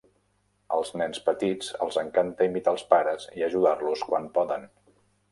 Als nens petits els encanta imitar els pares i ajudar-los quan poden.